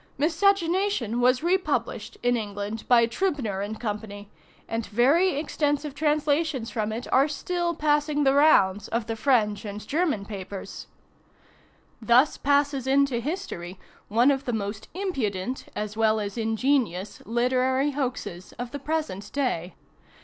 "Miscegenation" was republished in England by Trübner & Co.; and very extensive translations from it are still passing the rounds of the French and German papers. Thus passes into history one of the most impudent as well as ingenious literary hoaxes of the present day.